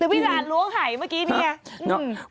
แล้วพี่ราชรู้ว่าไข่เมื่อกี้นี่ไง